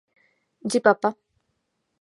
জি, পাপা।